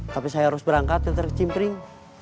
tapi saya harus berangkat dan tercimpring